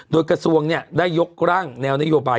โดยกระทรวงได้ยกร่างแนวนโยบาย